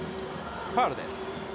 ファウルです。